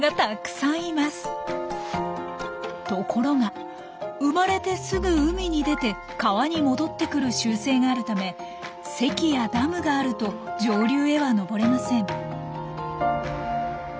ところが生まれてすぐ海に出て川に戻ってくる習性があるため堰やダムがあると上流へは上れません。